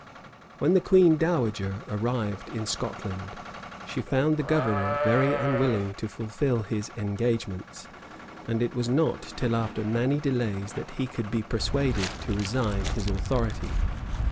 When the queen dowager arrived in Scotland, she found the governor very unwilling to fulfil his engagements; and it was not till after many delays that he could be persuaded to resign his authority.